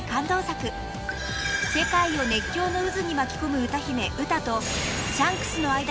［世界を熱狂の渦に巻き込む歌姫ウタと］